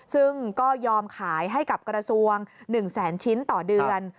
ซึ่งก็ยอมขายให้กับกระทรวง๑แสนชิ้นต่อเดือน